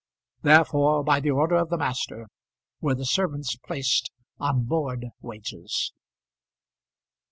Therefore, by the order of the master, were the servants placed on board wages.